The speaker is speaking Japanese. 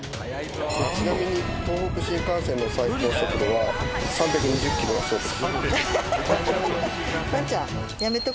ちなみに東北新幹線の最高速度は３２０キロだそうです。